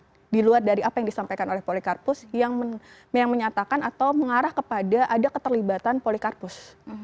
jadi itu adalah yang terbuat dari apa yang disampaikan oleh polikarpus yang menyatakan atau mengarah kepada ada keterlibatan polikarpus